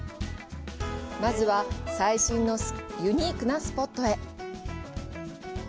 まずは、最新のユニークなスポットへ。